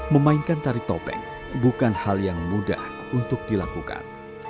memainkan tari topeng bukan hal yang mudah untuk dilakukan